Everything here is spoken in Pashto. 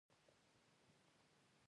آیا دوی کورونه او جامې نه ډیزاین کوي؟